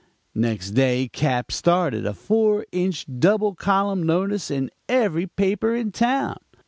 "Next day Cap. started a four inch double column notice in every paper in town.